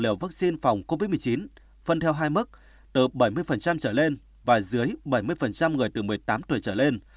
liều vaccine phòng covid một mươi chín phân theo hai mức từ bảy mươi trở lên và dưới bảy mươi người từ một mươi tám tuổi trở lên